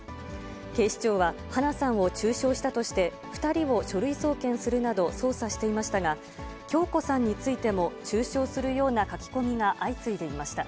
警視庁は、花さんを中傷したとして、２人を書類送検するなど捜査していましたが、響子さんについても中傷するような書き込みが相次いでいました。